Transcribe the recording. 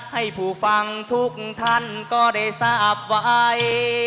ให้ผู้ฟังทุกท่านก็ได้ทราบไว้